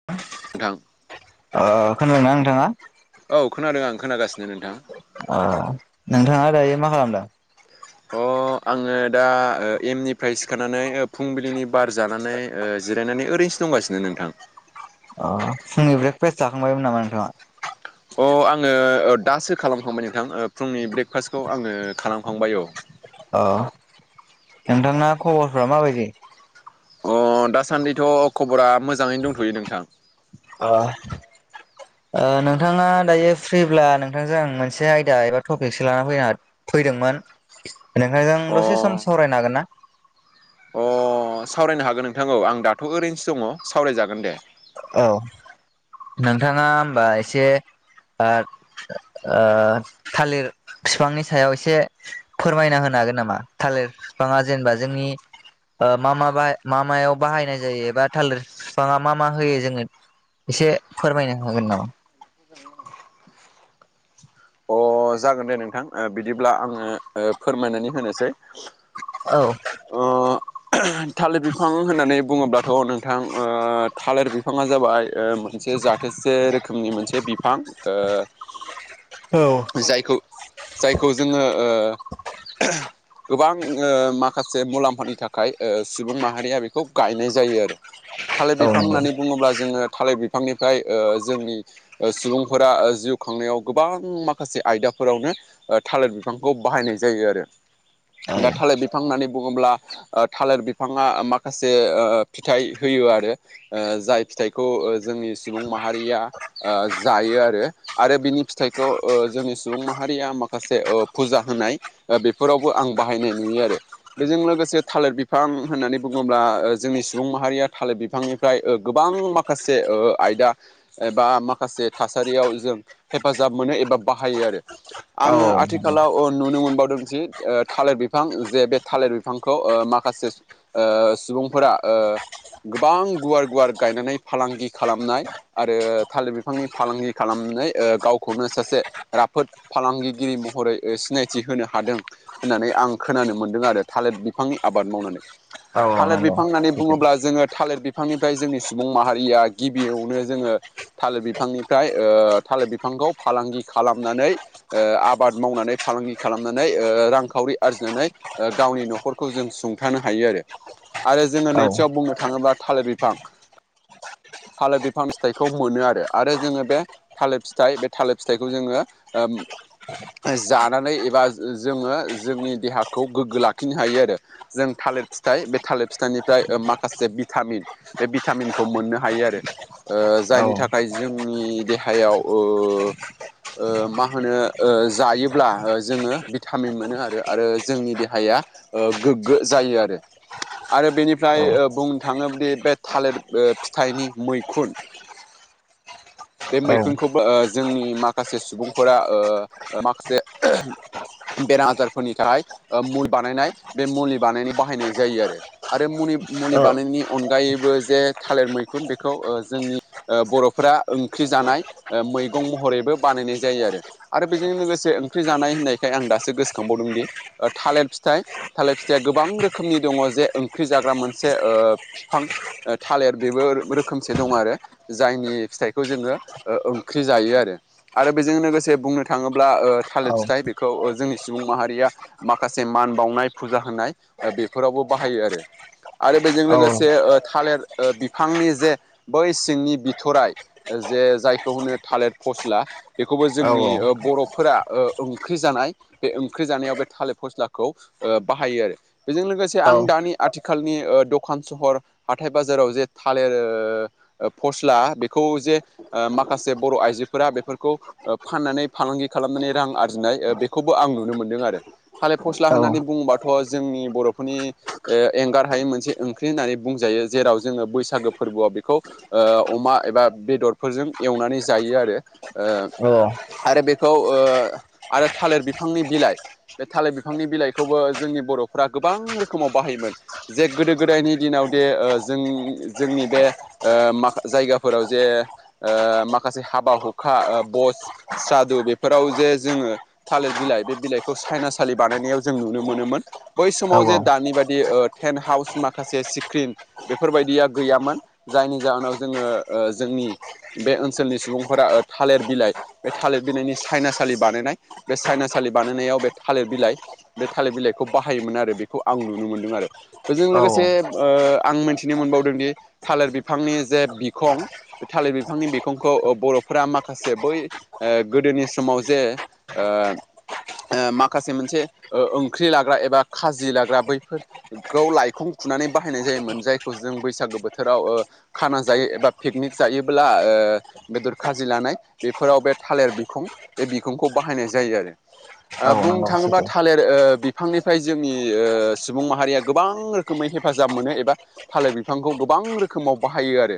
[inaudible] नोंथां। ओ खोनादोंना नोंथाङा? औ खोनादों आं खोनागासिनो नोंथां। ओ नोंथाङा दायो मा खालामदों? अ आङो दा ओ एम निफ्राय सिखारनानै ओ फुंबिलिनि बार जानानै ओ जिरायनानै ओरैनोसो दंगासिनो नोंथां। अ फुंनि ब्रेक फेस्ट जाखांबायमोन नामा नोंथाङा? अ आङो ओ दासो खालामखांबाय नोंथां ओ फुंनि ब्रेकफास्टखौ आङो खालामखांबाय औ। अ नोंथांना खबरफ्रा माबायदि? अ दासान्दिथ' खबरा मोजाङैनो दंथ'यो नोंथां। ओ ओ नोंथाङा दायो फ्रिब्ला नोंथांजों आं मोनसे आयदा एबा टपिकसो लाना फैनो हा फैदोंमोन। नोंथांजों अ दसे सम सावरायनो हागोन ना? अ सावरायनो हागोन नोंथांखौ औ आं दाथ' ओरैनोसो दङ' सावरायजागोन दे। औ, नोंथाङा होमबा एसे दाद ओ थालिर बिफांनि सायाव एसे फोरमायना होनो हागोन नामा? थालिर बिफाङा जेनेबा जोंनि ओ मा मा बाय मा मायाव बाहायनाय जायो बा थालिर बिफाङा मा मा होयो जोङो एसे फोरमायनो हागोन नामा? अ जागोन दे नोंथां। ओ बिदिब्ला आङो ओ फोरमायनानै होनोसै औ। अ थालिर बिफां होननानै बुङोब्लाथ' नों थां ओ थालिर बिफाङा जाबाय ओ मोनसे जाथोसे रोखोमनि मोनसे बिफां ओ औ। जायखौ जायखौ जोङो ओ गोबां ओ माखासे मुलाम्फानि थाखाय ओ सुबुं माहारिया बेखौ गायनाय जायो आरो। थालिर बिफां नंगौ होननानै बुङोब्ला जोङो थालिर बिफांनिफ्राय ओ जोंनि ओ सुबुंफोरा जिउ खांनायाव गोबां माख खासे आयदाफोरावनो ओ थालिर बिफांखौ बाहायनाय जायो आरो। औ दा थालिर बिफां होननानै बुङोब्ला ओ थालिर बिफाङा माखासे फिथाइ होयो आरो ओ जाय फिथाइखौ ओ जोंनि सुबुं माहारिया ओ जायो आरो। आरो बिनि फिथाइखौ ओ जोंनि सुबुं माहारिया माखासे ओ फुजा होनाय बेफोरावबो आं बाहायनाय नुयो आरो। बेजों लोगोसे थालिर बिफां होननानै बुङोब्ला जोंनि सुबुं माहारिया थालिर बिफांनिफ्राय ओ गोबां माख खासे ओ आयदा एबा माखासे थासारियाव जों हेफाजाब मोनो एबा बाहायो आरो औ आङो नंगौ आथिखालाव ओ नुनो मोनबावदोंस थालिर बिफां जे बे थालेर बिफां बिफांखौ ओ माखासे ओ सुबुंफोरा ओ गोबां गुवार गुवार गायनानै फालांगि खालामनाय आरो थालिर बिफांनि फालांगि खालामनानै ओ गावखौनो सासे राफोद फालांगिगिरि महरै सिनायथि होनो हादों होननानै आं खोनानो मोन्दों आरो। थालिर बिफांनि आबाद मावनानै। औ थालिर नंगौ बिफां होननानै सैथो बुङोब्ला जोङो थालिर बिफ फांनिफ्राय जोंनि सुबुं माहारिया गिबियावनो जोङो थालिर बिफांनिफ्राय ओ थालिर बिफांखौ फालांगि खालामनानै ओ आबाद मावनानै फालांगि खालामनानै ओ रांखावरि आरजिनानै ओ गावनि न'खरखौ जों सुंथानो हायो आरो आरो जोङो औ नैथियाव बुंनो थाङोब्ला थालिर बिफां थालिर बिफां फिथाइखौ मोनो आरो जोङो बे थालिर फिथाइ बे थालिर फिथाइख खौ जोङो ओ ओ जानानै एबा जोङो जोंनि देहाखौ गोग्गो लाखिनो हायो आरो जों थालिर फिथाइ बे थालिर फिथाइनिफ्राय ओ माखासे भिटामिन बे भिटामिनखौ मोननो हायो आरो ओ औ जायनि थाखाय जोंनि देहायाव ओ ओ मा होनो ओ जायोब्ला जोङो भिटामिन मोनो आरो आरो जोंनि देहाया ओ गोग्गो जायो आरो आरो औ बेनिफ्राय औ ओ बुंनो थाङोब्लादा ओ बे थालिर फिथाइनि मैखुन बे औ औ मैखुनखौबो ओ जोंनि मा खासे सुबुंफोरा ओ माखासे बेराम आजारफोरनि थाखाय मुलि बानायनाय बे मुलि बानायनाय बाहायनाय जायो आरो आरो मुनि मुलि औ बानायनायनि अनगायैबो जे थालिर मैखुन बेखौ ओ जोंनि ओ बर'फोरा ओंख्रि जानाय ओ मैगं महरैबो बानायनाय जायो आरो बेजों लोगोसे ओंख्रि जानाय होननायखाय आं दासो गोसोखांबावदों दि ओ थालिर फिथाइ थालिर फिथाइया गोबां रोखोमनि दङ जे ओंख्रि जाग्रा मोनसे ओ फिफां ओ थालिर बेबो रोख‌-रोखोमसे दं आरो जायनि फिथाइखौ जोङो ओ ओंख्रि जायो आरो आरो बेजों लोगोसे बुंनो थाङोब्ला ओ थालिर औ फिथाइ बेखौ ओ जोंनि सुबुं माहारिया माखासे मान बावनाय फुजा होनाय ओ बेफोरावबो बाहायो आरो आरो बेजों लोगोसे ओ थालिर ओ बिफांनि जे बै सिंनि बिथ'राय जे जायखौ होनो थालिर फस्ला बेखौबो जोंनि ओबर'फोरा ओ ओंख्रि जानाय बे ओंख्रि जानायाव बे थालिर फस्लाखौ ओ बाहायो आरो बेजों लोगोसे आं दानि आथिखालनि ओ दखान सहर हाथथाय बाजाराव जे थालिर ओ फस्ला बेखौ जे ओ माखासे बर' आइजोफोरा बेफोर खौ ओ फाननानै फालांगि खालामनानै रां आरजिनाय बेखौबो आं नुनो मोनदों आरो थालाय फस्ला होननानै बुङोबाथ' जोंनि बर'फोरनि ओ एंगार हायै मोनसे ओंख्रि होननानै बुंजायो जेराव जोङो बैसागो फोरबोआव बेखौ ओ अमा एबा बेदरफोरजों एवनानै जायो आरो ओ आरो बेखौ ओ आरो थालिर बिफांनि बिलाइ बे थालिर बिफांनि बिलाइखौबो जोंनि बर'फ्रा गोबां रोखोमाव बाहायोमोन जे गोदो गोदायनि दिनाव दे ओ जों जोंनि बे ओ माख जायगाफोराव जे ओ माखासे हाबा हुखा बस स्रादु बेफोराव जे जोङो थालिर बिलाइ बे बिलाइखौ सायनासालि बानायनायाव जों नुनो मोनोमोन। बै समाव जे दानि बादि ओ टेेन्ट हाउस माखासे सिक्रिन बेफोरबायदिया गैयामोन जायनि जाहोनाव जोङो ओ जोंनि बे ओनसोलनि सुबुंफोरा ओ थालिर बिलाइ बे थालिर बिलाइनि सायनासालि बानायनाय बे सायनासालि बानायनायाव बे थालिर बिलाइ बे थालिर बिलाइखौ बाहायोमोन आरो बेखौ आं नुनो मोनदों आरो बेजों लोगोसे ओ आं मिनथिनो मोनबावदोंदि थालिर बिफांनि जे बिखं बे थालिर बिफांनि बिखंखौ ओ बर' फोरा माखासे बै ओ गोदोनि समाव जे ओ ओ माखासे मोनसे ओ ओंख्रि लाग्रा एबा खाजि लाग्रा बैफोर खौ लायखं खुनानै बाहायनाय जायोमोन जायखौ जों बैसागो बोथोराव ओ खाना जायो एबा फिकनिक जायोब्ला ओ बेदर खाजि लानाय बेफोराव बे थालिर बिखुं बे बिखुंखौ बाहायनाय जायो आरो। ओ बुंनो नंगौ थाङोबा सैथो थालिर ओ बि फांनिफ्राय जोंनि ओ सुबुं माहारिया गोबां रोखोमै हेफाजाब मोनो एबा थालिर बिफांखौ गोबां रोखोमाव बाहायो आरो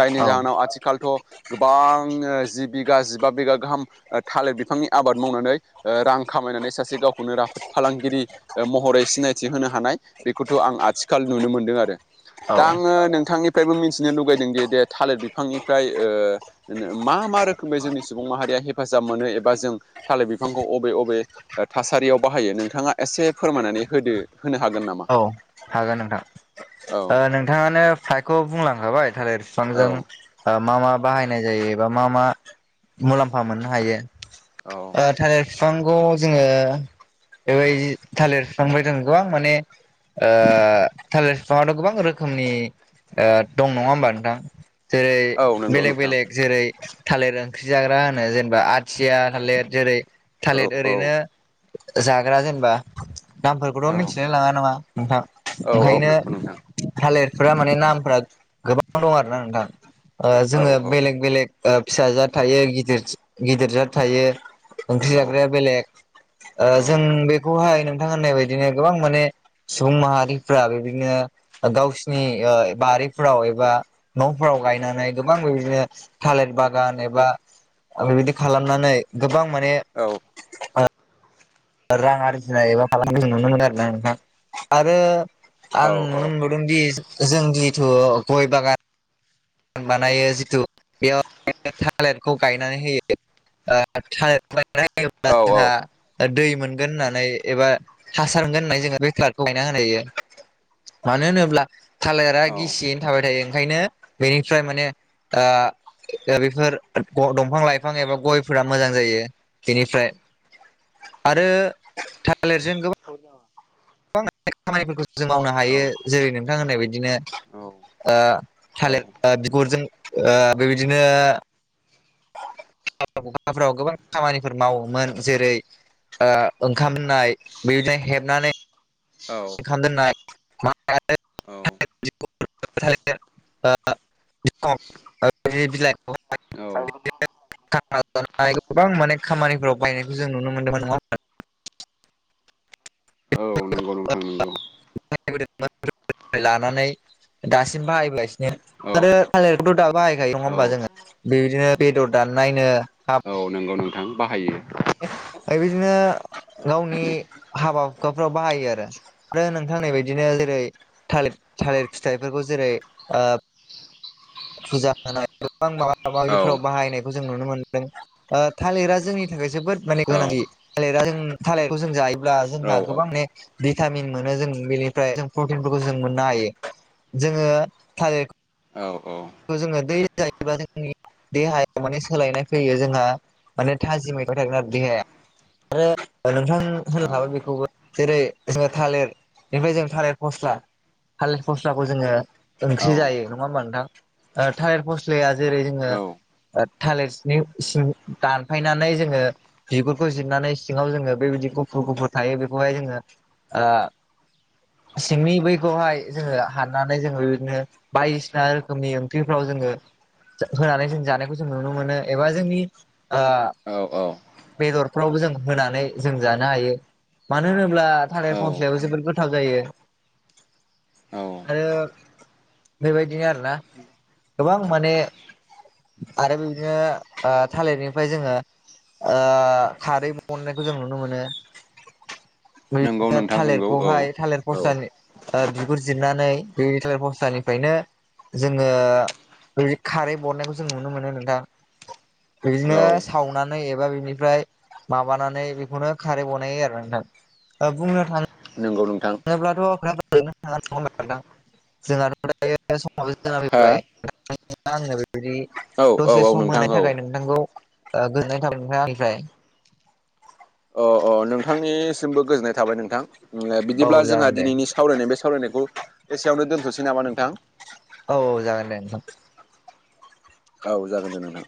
जायनि औ जाहोनाव आथिखालथ' बां जि बिगा जिबा बिगा गाहाम ओ थालिर बिफांनि आबाद मावनानै ओ रां खामायनानै सासे गावखौनो राफोद फालांगिरि ओ महरै सिनायथि होनो हानाय बेखौथ' आं आथिखाल नुनो मोनदों आरो। दा औ आङो नोंथांनिफ्रायबो मिथिनो लुगैदों दि दे थालिर बिफांनिफ्राय ओ ओनो मा मा रोखोमै जोंनि सुबुं माहारिया हेफाजाब मोनो एबा जों थालिर बिफांखौ अबे अबे थासारियाव बाहायो नोंथाङा एसे फोरमायनानै होदो होनो हागोन नामा? औ हागोन नोंथां। औ ओ नोंथाङानो फ्रायखौ बुंलांखाबाय थालिर औ फिफांजों ओ मा मा बाहायनाय जायो एबा मा मा मुलाम्फा मोननो हायो औ ओ थालेर फिफांखौ जोङो बेबायदि थालिर फिफांनिफाय जों गोबां माने ओ थालिर फिफाङाथ' गोबां रोखोमनि ओ दं नङा होमबा नोंथां जेरै औ नंगौ बेलेग नोंथां बेलेग जेरै थालिर ओंख्रि जाग्रा होनो जेनबा आथिया थालिर जेरै औ थालिर औ ओरैनो जाग्रा जेनबा औ नामफोरखौथ' मिनथिलाय लाङा नङा नोंथां औ औ ओंखायनो नंगौ नोंथां थालिरफोरा माने नामफोरा गोबां दं आरो ना नोंथां ओ औ जोङो बेलेग बेलेग ओ फिसा जाथ थायो गिदिर-गिदिर जाथ थायो। ओंख्रि औ जाग्राया बेलेग ओ औ जों बेखौहाय नोंथां होननाय बायदिनो गोबां माने सुबुं माहारिफ्रा बेबिदनो गावसिनि ओ बारिफ्राव एबा न'फोराव गायनानै गोबां बिदिनो थालिर बागान एबा बेबायदि खालामनानै गोबां माने औ रां आरजिनाय एबा [unintelligible] नुनो मोनो आरोना नोंथां आरो आं नुनो नोंथां मोन दि जों जिथु गय बागान बानायो जिथु बेयाव थालिरखौ गायनानै होयो [unintelligible] गायनानै होयोब्ला जोंहा दै मोनगोन होननानै एबा हासार मोनगोन होननानै जोङो बे [unintelligible] गायना [unintelligible] मानो होनोब्ला थालिरा गिसियैनो थाबाय थायो ओंखायनो बेनिफ्राय माने आ ओ बेफोर ग' दंफां लाइफां एबा गयफोरा मोजां जायो। बेनिफ्राय आरो थालिरजों गोबां [unintelligible] खामानिफोरखौ जों मावनो हायो जेरै नोंथां होननायबायदिनो ओ थालिर बिगुरजों बेबायदिनो हखााफोराव गोबां खामानिफोर मावोमोन जेरै ओंखामनाय बेदिनो हेबनानै। औ [inaudible] औ [unintelligible] [unintelligible] [unintelligible] गोबां माने खामानिफोराव बायनायखौ जों नुनो मोन्दोंमोन नङा [unintelligible] औ नंगौ नोंथां नंगौ [unintelligible] लानानै दासिम बाहायबोगासिनो आरो थालिरखौथ' दा बाहायखायो नङा औ होमबा जोङो बेबायदिनो बेदर दान नायनो औ नंगौ नोंथां बाहायो। बायदिनो गावनि हाबा हुखाफ्राव बाहायो आरो। आरो नोंथांनि बदिनो जेरै थालिर थालिर फिथाइफोरखौ जेरै फुजा होनाय गोबां माबा औ माबिफोराव बाहायनाय। जों नुनो मोनदों थालिरा जोंनि थाखाय जोबोद माने औ गोनांथि थालिरा जों थालिरखौ जों जायोब्ला औ जोंहा गोबां ने भिटामिन मोनो जों बेनिफ्राय जों प्रटिनफोरखौ जों मोननो हायो जोङो थालिर औ औ। जोङो दै जायोब्लाा जोंनि देहायाव माने सोलायनाय फैयो जोंहा। माने थाजिमैगं थागोन आरो बेहाय आरो नोंथां औ होनखाबाय बेखौबो। जेरै जोङो थालिर बेफ्राय जों थालिर फस्ला थालिर फस्लाखौ जोङो। ओंख्रि जायो नङा होमबा नोंथां ायेर फस्लाया जेरै जोङो। थालिरनि सिं दानफायनानै जोङो। बिगुरखौ जिरनानै सिङाव जोङो बेबायदि गुफुर गुफुर थायो बेखौहाय जोङो। सिंनि बैखौहाय जोङो हाननानै जोङो बिदिनो बायदिसिना रोखोमनि। फफ्राव जोङो होनानै जों जानायखौ जों नुनो मोनो एबा जोंनि। औ औ। बेदरफ्रावबो जों होनानै जों जानो हायो मानो होनोब्ला औ थालिर फस्लायावबो जोोबद गोथार। गोथा जायो। औ। आरो बेबायदिनो आरोना। गोबां माने आरो बिदिनो। थालिरनिफ्राय जोङो खारै मोनननायखौ जों नुनो मोनो। नंगौ नो नोंथां नंगौ औ थालिरखौहाय थालिर औ फसानि बिगुर जिरनानै बेिट पस्थानिफ्रायनो जोङो। खारै बरनायखौ जों नुनो मोनो नोंथां बिदिनो औ सावनानै। एबा बिनिफ्राय मानानैनो खारै बनाय आरो नोंथां बुंनो थाङो नंगौ नोंथां। जेब्लाथ' अख गो थ नदां जोंहाथ' दायो समावो जा हो फैबाय। आङो बेबायदि औ औ दसे औ सम नोंथां होनायनि औ थाखाय नों नोंथांखौ गोजोननाय थाबाय नोंथाङा आनिफ्राय अ नोंथांनिसिमबो गोजोननाय थाबाय नोंथां औ बिदिब्ला जोंहा जागोन दे दिनैनि सम सावरायनाय बे सावरायनायखौ एसेयावनो दोनथ'सै नामा नोंथां। औ औ जागोन दे। औ जागोन दे नोंथां।